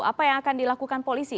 apa yang akan dilakukan polisi